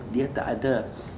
dia tak ada